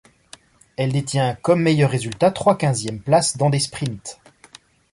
Elle détient comme meilleurs résultats trois quinzièmes places dans des sprints.